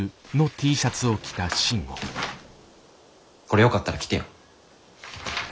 これよかったら来てよ。